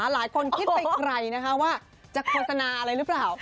หลายคนคิดไปไกลนะคะว่าจะโฆษณาอะไรหรือเปล่า